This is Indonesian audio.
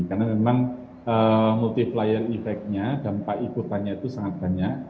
karena memang multi flying effect nya dan ikutannya itu sangat banyak